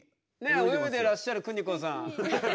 泳いでらっしゃる久仁子さん。